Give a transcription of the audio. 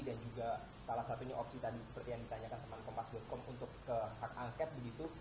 dan juga salah satunya opsi tadi seperti yang ditanyakan teman teman pembas com untuk ke hak angket begitu